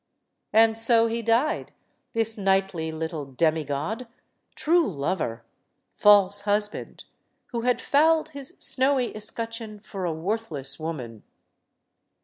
And so he died, this knightly little demigod true lover, false husband who had fouled his snowy escutcheon for a worthless woman.